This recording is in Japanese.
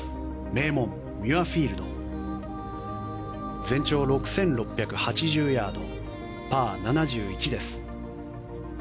名門ミュアフィールド全長６６８０ヤードパー７１です。